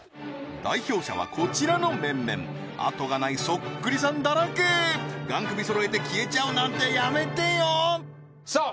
代表者はこちらの面々あとがないそっくりさんだらけがん首そろえて消えちゃうなんてやめてよさあ